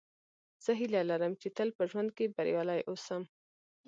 زه هیله لرم، چي تل په ژوند کښي بریالی اوسم.